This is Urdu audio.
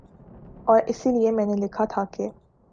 اور اسی لیے میں نے لکھا تھا کہ